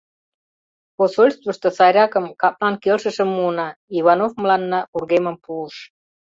Посольствышто сайракым, каплан келшышым муына, — Иванов мыланна вургемым пуыш.